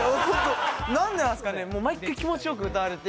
なんでなんですかね、毎回気持ちよく歌われて。